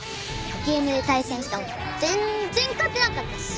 ゲームで対戦しても全然勝てなかったし。